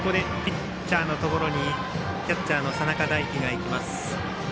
ここでピッチャーのところにキャッチャーの佐仲大輝が行きます。